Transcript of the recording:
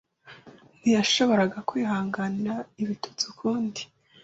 Ntiyashoboraga kwihanganira ibitutsi ukundi.